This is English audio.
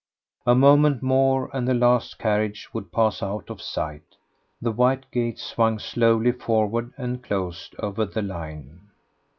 A moment more and the last carriage would pass out of sight. The white gates swung slowly forward and closed over the line.